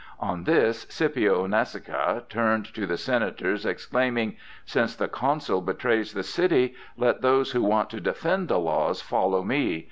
On this Scipio Nasica turned to the Senators, exclaiming: "Since the Consul betrays the city, let those who want to defend the laws follow me!"